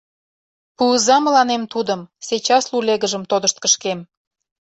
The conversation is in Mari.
Пуыза мыланем тудым — сейчас лулегыжым тодышт кышкем!»